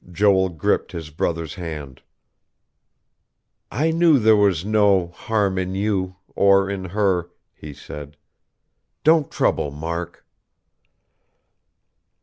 Joel gripped his brother's hand. "I knew there was no harm in you or in her," he said. "Don't trouble, Mark...."